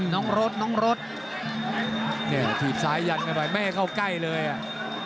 น้องโรดทีบซ้ายยันกันไปไม่ให้เข้าใกล้เลยอ่ะ